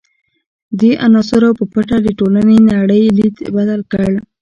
دې عناصرو په پټه د ټولنې نړۍ لید بدل کړ.